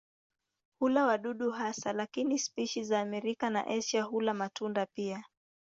Hula wadudu hasa lakini spishi za Amerika na Asia hula matunda pia.